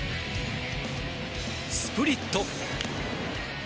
スプリット。